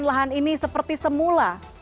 kita harus mengembalikan lahan ini seperti semula